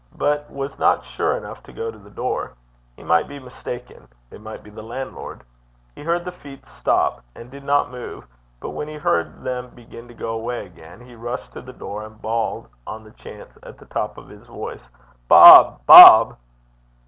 but was not sure enough to go to the door: he might be mistaken; it might be the landlord! He heard the feet stop and did not move; but when he heard them begin to go away again, he rushed to the door, and bawled on the chance at the top of his voice, 'Bob! Bob!'